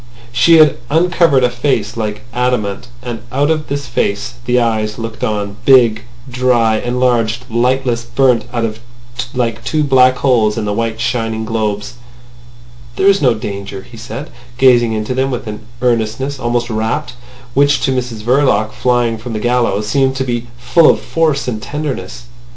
She had uncovered a face like adamant. And out of this face the eyes looked on, big, dry, enlarged, lightless, burnt out like two black holes in the white, shining globes. "There is no danger," he said, gazing into them with an earnestness almost rapt, which to Mrs Verloc, flying from the gallows, seemed to be full of force and tenderness.